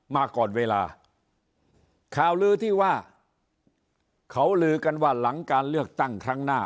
มาก่อนเวลาข่าวลือที่ว่าเขาลือกันว่าหลังการเลือกตั้งครั้งหน้า